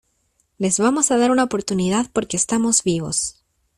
les vamos a dar una oportunidad porque estamos vivos